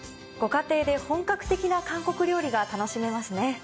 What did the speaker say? ご家庭で本格的な韓国料理が楽しめますね。